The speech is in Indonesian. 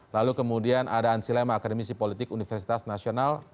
lalu kemudian ada ansi lema akademisi politik universitas nasional